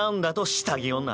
下着女。